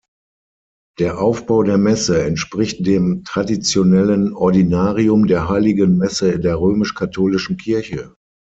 Der Aufbau der Messe entspricht dem traditionellen Ordinarium der Heiligen Messe der römisch-katholischen Kirche.